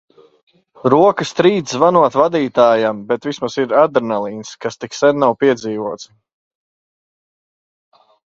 Rokas trīc zvanot vadītājam, bet vismaz ir adrenalīns, kas tik sen nav piedzīvots.